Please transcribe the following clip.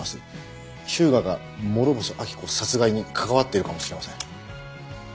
日向が諸星秋子殺害に関わっているかもしれません。